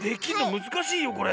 むずかしいよこれ。